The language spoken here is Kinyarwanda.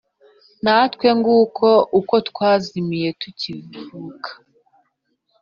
Natwe nguko uko twazimiye tukivuka,